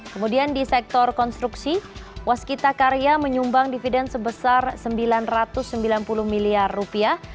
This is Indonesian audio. kemudian di sektor konstruksi waskita karya menyumbang dividen sebesar sembilan ratus sembilan puluh miliar rupiah